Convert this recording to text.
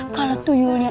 gak ada juga